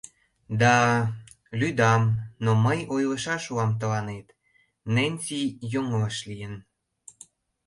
Да-а, лӱдам, но мый ойлышаш улам тыланет, Ненси... йоҥылыш лийын.